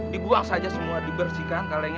dibuang saja semua dibersihkan